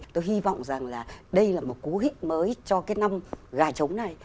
tôi hy vọng rằng là đây là một cố hịp mới cho cái năm gà trống này